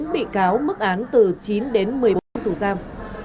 bốn bị cáo mức án từ chín đến một mươi bốn tuổi giao